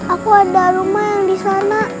aku ada rumah yang di sana